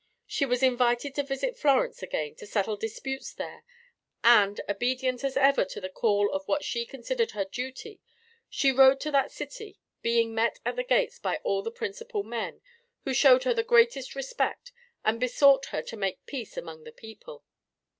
She was invited to visit Florence again to settle disputes there, and, obedient as ever to the call of what she considered her duty she rode to that city, being met at the gates by all the principal men, who showed her the greatest respect and besought her to make peace among the people.